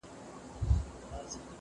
پانګه د تولید یوه مهمه وسیله ده.